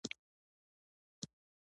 د پلن پاڼو هرزه ګیاوو لپاره کوم درمل شته؟